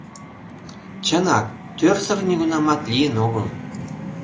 Чынак, тӧрсыр нигунамат лийын огыл.